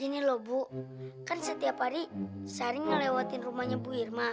ini loh bu kan setiap hari sering ngelewatin rumahnya bu irma